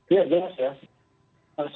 iya jelas ya